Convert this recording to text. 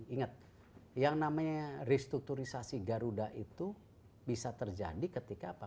ingat yang namanya restrukturisasi garuda itu bisa terjadi ketika apa